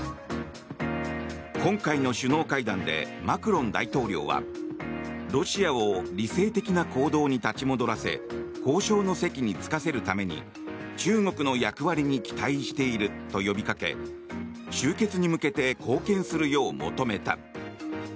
今回の首脳会談でマクロン大統領はロシアを理性的な行動に立ち戻らせ交渉の席に着かせるために中国の役割に期待していると呼びかけ終結に向けて貢献するよう求めた。